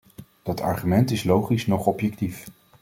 Dat argument is logisch noch objectief.